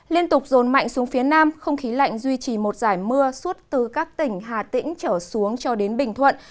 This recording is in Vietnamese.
liên tục rồn mạnh xuống phía nam không khí lạnh duy trì một giải mưa suốt từ các tỉnh hà tĩnh trở xuống cho đến bình thuận